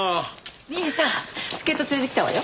兄さん助っ人連れてきたわよ。